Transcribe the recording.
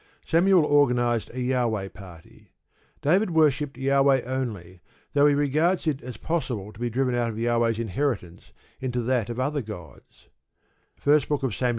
Samuel organised a Jahweh party. David worshipped Jahweh only, though he regards it as possible to be driven out of Jahweh's inheritance into that of other gods (1 Sam.